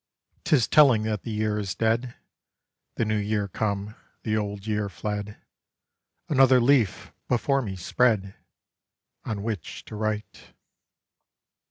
'Tis telling that the year is dead, The New Year come, the Old Year fled, Another leaf before me spread On which to write.